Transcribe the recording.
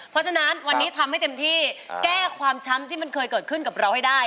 เพราะฉะนั้นวันนี้ทำให้เต็มที่แก้ความช้ำที่มันเคยเกิดขึ้นกับเราให้ได้